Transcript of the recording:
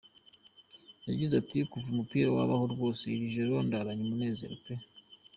Yagize ati “Kuva umupira wabaho rwose, iri joro ndaranye umunezero pe !